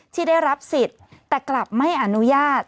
ที่ได้รับสิทธิ์แต่กลับไม่อนุญาต